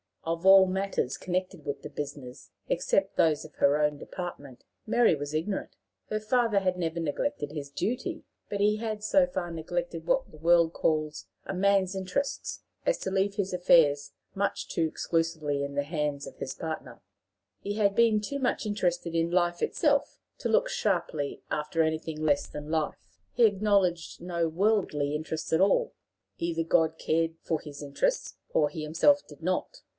Of all matters connected with the business, except those of her own department, Mary was ignorant. Her father had never neglected his duty, but he had so far neglected what the world calls a man's interests as to leave his affairs much too exclusively in the hands of his partner; he had been too much interested in life itself to look sharply after anything less than life. He acknowledged no worldly interests at all: either God cared for his interests or he himself did not.